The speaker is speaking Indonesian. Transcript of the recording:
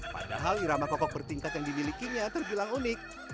padahal irama kokok bertingkat yang dimilikinya terbilang unik